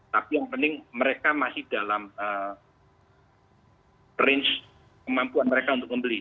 tapi yang penting mereka masih dalam range kemampuan mereka untuk membeli